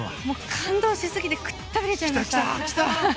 感動しすぎてくたびれちゃいました。